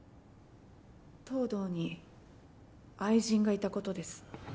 藤堂に愛人がいたことです